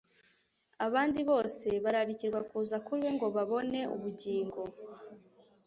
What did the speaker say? Abandi bose bararikirwa kuza kuri we ngo babone ubugingo.